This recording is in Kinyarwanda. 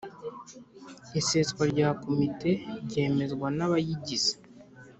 Iseswa rya komite ryemezwa na abayigize